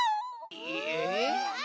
えっ？